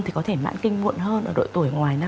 thì có thể mãn kinh muộn hơn ở độ tuổi ngoại năm mươi năm